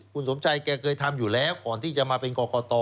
คุณสมชัยแกเคยทำอยู่แล้วก่อนที่จะมาเป็นกรกต